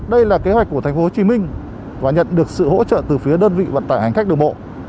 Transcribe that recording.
đây là kế hoạch của tp hcm và nhận được sự hỗ trợ từ phía đơn vị vận tải hành khách đường bộ